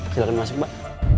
kita akan masuk mbak